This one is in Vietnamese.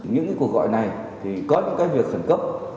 những cuộc gọi này thì có những việc khẩn cấp